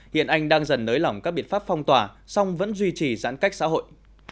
hiện anh đang dần nới lỏng các biện pháp phong tỏa song vẫn duy trì giãn cách xã hội